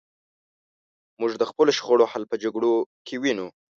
موږ د خپلو شخړو حل په جګړو کې وینو.